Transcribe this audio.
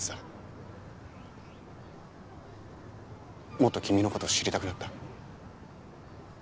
もっと君の事知りたくなった。